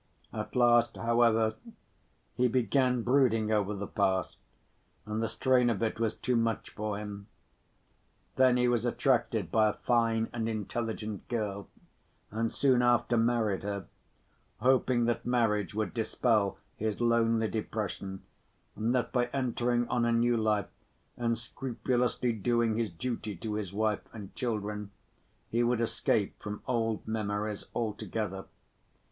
At last, however, he began brooding over the past, and the strain of it was too much for him. Then he was attracted by a fine and intelligent girl and soon after married her, hoping that marriage would dispel his lonely depression, and that by entering on a new life and scrupulously doing his duty to his wife and children, he would escape from old memories altogether.